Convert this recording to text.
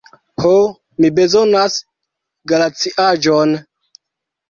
Ho, mi bezonas glaciaĵon.